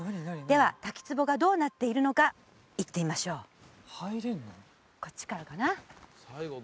では滝つぼがどうなっているのか行ってみましょうこっちからかな？